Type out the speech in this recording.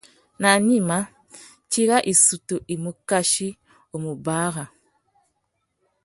Nà gnïma, tsi râ issutu i mù kachi u mù bàrrâ.